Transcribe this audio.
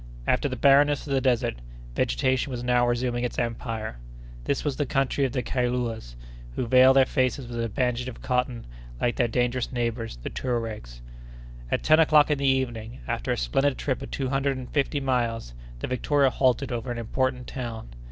After the barrenness of the desert, vegetation was now resuming its empire. This was the country of the Kailouas, who veil their faces with a bandage of cotton, like their dangerous neighbors, the Touaregs. At ten o'clock in the evening, after a splendid trip of two hundred and fifty miles, the Victoria halted over an important town.